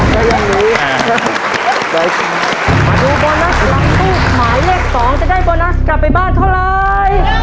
มาดูโบนัสหลังตู้หมายเลขสองจะได้โบนัสกลับไปบ้านเท่าไร